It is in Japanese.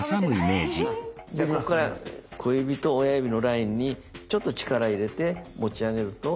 小指と親指のラインにちょっと力入れて持ち上げると。